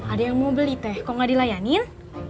ada yang mau beli teh kok gak dilayanin